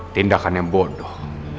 tindakan yang bodoh